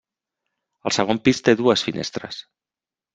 El segon pis té dues finestres.